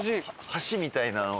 橋みたいなのが。